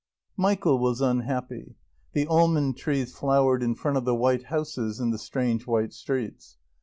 IX Michael was unhappy. The almond trees flowered in front of the white houses in the strange white streets.